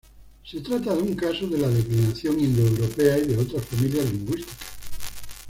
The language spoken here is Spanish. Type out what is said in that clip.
Se trata de un caso de la declinación indoeuropea y de otras familias lingüísticas.